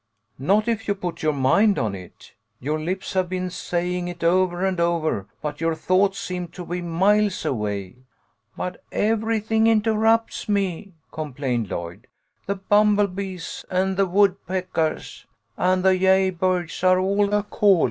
" Not if you put your mind on it. Your lips have been saying it over and over, but your thoughts seem to be miles away." " But everything interrupts me," complained Lloyd. "The bumble bees an' the woodpeckahs an' the jay birds are all a callin".